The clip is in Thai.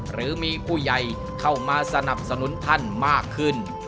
หรือมีผู้ใหญ่เข้ามาสนับสนุนท่านมากขึ้น